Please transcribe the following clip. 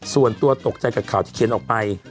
ส่วนตัวตกใจกับข่าวที่เขียนออกไป